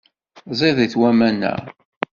Ẓidit waman-a.